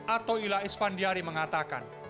ato ila isfandiari mengatakan